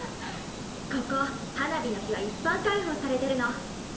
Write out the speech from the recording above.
ここ花火の日は一般開放されてるの。